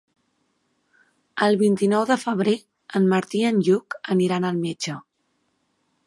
El vint-i-nou de febrer en Martí i en Lluc aniran al metge.